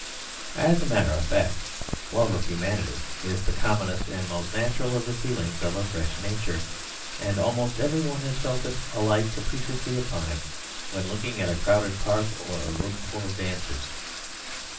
As a matter of fact, love of humanity is the commonest and most natural of the feelings of a fresh nature, and almost every one has felt it alight capriciously upon him when looking at a crowded park or a room full of dancers.